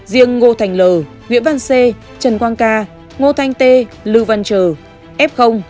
riêng ngô thành l nguyễn văn c trần quang ca ngô thanh t lưu văn trờ f